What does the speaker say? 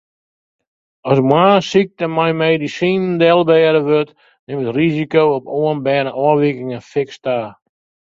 As moarnssykte mei medisinen delbêde wurdt, nimt it risiko op oanberne ôfwikingen fiks ta.